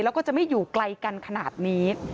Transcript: แล้วก็จะไม่อยู่ไกลกันขนาดนี้